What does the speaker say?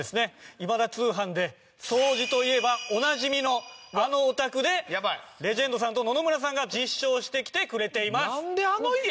『今田通販』で掃除といえばおなじみのあのお宅でレジェンドさんと野々村さんが実証してきてくれています。